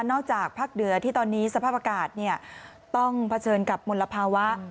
จากภาคเหนือที่ตอนนี้สภาพอากาศต้องเผชิญกับมลภาวะ